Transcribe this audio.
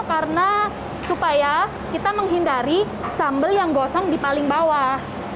karena supaya kita menghindari sambal yang gosong di paling bawah